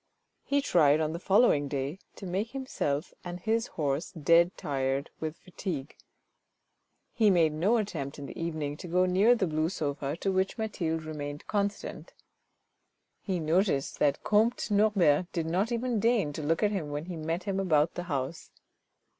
He tried, on the following day, to make himself and his horse dead tired with fatigue. He made no attempt in the evening to go near the blue sofa to which Mathilde remained constant. He noticed that comte Norbert did not even deign to look at him when he met him about the house.